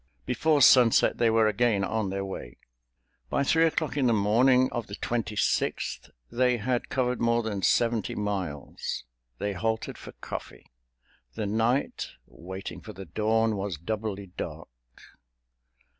Before sunset they were again on their way. By three o'clock on the morning of the Twenty sixth, they had covered more than seventy miles. They halted for coffee. The night, waiting for the dawn, was doubly dark.